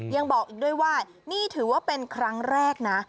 ยังบอกอีกด้วยว่านี่ถือว่าเป็นครั้งแรกนะ